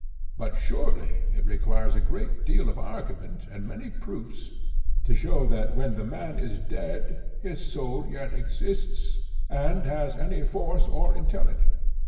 But surely it requires a great deal of argument and many proofs to show that when the man is dead his soul yet exists, and has any force or intelligence.